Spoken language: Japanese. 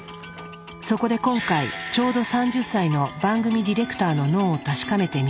そこで今回ちょうど３０歳の番組ディレクターの脳を確かめてみる。